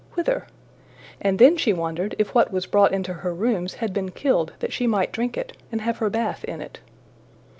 whither? And then she wondered if what was brought into her rooms had been killed that she might drink it, and have her bath in it.